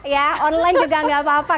ya online juga nggak apa apa